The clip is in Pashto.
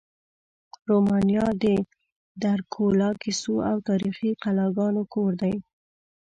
رومانیا د ډرکولا کیسو او تاریخي قلاګانو کور دی.